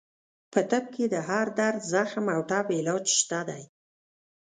په طب کې د هر درد، زخم او ټپ علاج شته دی.